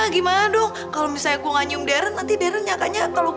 gimana dong kalau misalnya kumanyung deren nanti deren nyakanya kalau gue